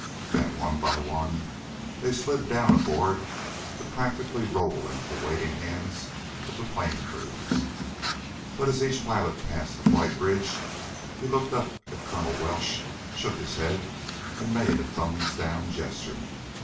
Then one by one they slid down aboard to practically roll into the waiting hands of the plane crews. But as each pilot passed the flight bridge he looked up at Colonel Welsh, shook his head, and made a thumbs down gesture.